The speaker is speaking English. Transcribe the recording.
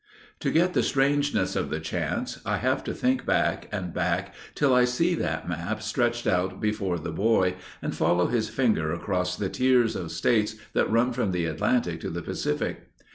To get the strangeness of the chance I have to think back and back till I see that map stretched out before the boy, and follow his finger across the tiers of States that run from the Atlantic to the Pacific.